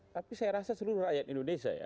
tapi saya rasa seluruh rakyat indonesia ya